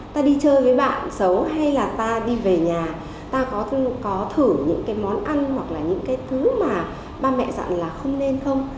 ta đi chơi với bạn xấu hay là ta đi về nhà ta có thử những cái món ăn hoặc là những cái thứ mà ba mẹ dặn là không nên không